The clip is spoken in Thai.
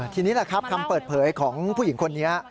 ทีนี้แหละครับคำเปิดเผยของผู้หญิงคนนี้